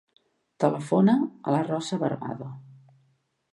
Telefona a la Rosa Barbado.